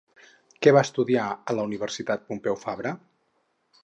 Què va estudiar a la Universitat Pompeu Fabra?